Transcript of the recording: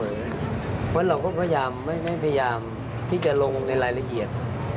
เพราะเราก็พยายามไม่ได้พยายามที่จะลงในรายละเอียด